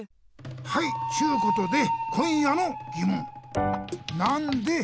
はいちゅうことで今夜のぎもん！